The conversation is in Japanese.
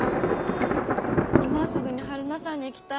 今すぐに榛名山に行きたい。